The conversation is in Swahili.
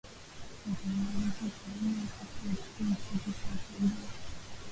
wataimarisha usalama wakati wa kipindi chote cha uchaguzi